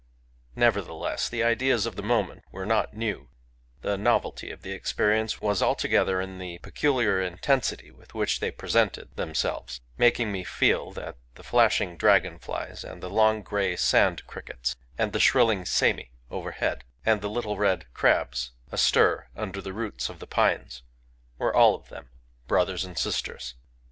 Nevertheless, the ideas of the moment were not new : the novelty of the experience was altogether in the peculiar intensity with which they presented themselves; making me feel that the flashing dragon flies, and the long gray sand crickets, and the shrilling semi overhead, and the little red crabs astir under the roots of the pines, were all of them brothers and sisters.